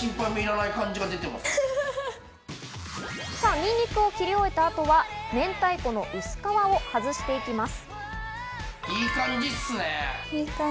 にんにくを切り終えたあとは明太子の薄皮を外していきます。